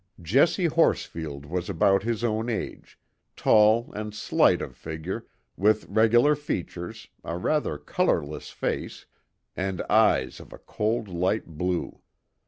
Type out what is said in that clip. Jessie Horsfield was about his own age; tall and slight of figure, with regular features, a rather colourless face, and eyes of a cold, light blue.